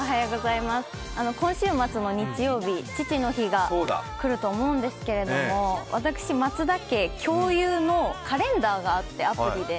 今週末の日曜日、父の日が来ると思うんですけど私、松田家共有のカレンダーがあって、アプリで。